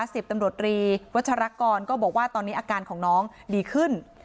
สิบตำรวจรีวัชรกรก็บอกว่าตอนนี้อาการของน้องดีขึ้น